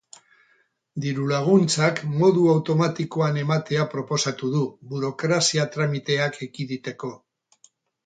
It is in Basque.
Dirulaguntzak modu automatikoan ematea proposatu du, burokrazia tramiteak ekiditeko.